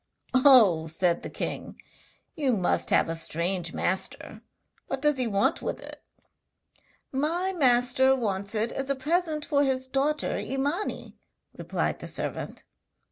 'Oh,' said the king, 'you must have a strange master! What does he want with it?' 'My master wants it as a present for his daughter Imani,' replied the servant.